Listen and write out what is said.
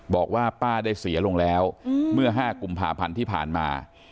บอกว่าป้าได้เสียลงแล้วเมื่อ๕กุมภาพันธ์ที่ผ่านมา